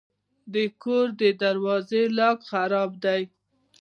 د کور د دروازې لاک خراب و.